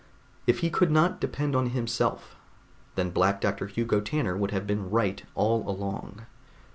If he could not depend on himself, then Black Doctor Hugo Tanner would have been right all along.